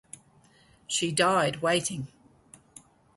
She died waiting.